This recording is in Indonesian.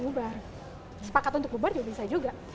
bubar sepakat untuk bubar juga bisa juga